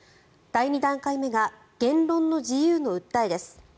第２段階目が言論の自由の訴えです。